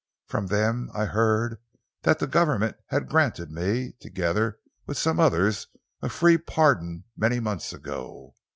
From them I heard that the Government had granted me, together with some others, a free pardon many months ago.